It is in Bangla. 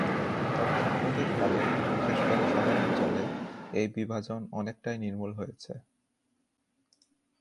তবে সাম্প্রতিককালে, বিশেষ করে শহরাঞ্চলে, এই বিভাজন অনেকটাই নির্মূল হয়েছে।